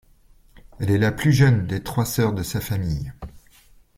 Elle est la plus jeune des trois sœurs de sa famille.